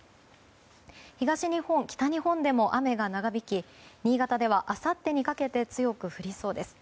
東日本、北日本でも雨が長引き新潟では、あさってにかけて強く降りそうです。